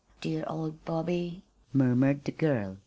"Dear old Bobby!" murmured the girl.